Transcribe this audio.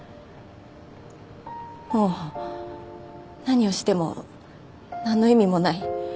もう何をしても何の意味もない。